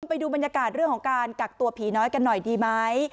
ไปดูบรรยากาศเรื่องของการกักตัวผีน้อยกันหน่อยดีไหม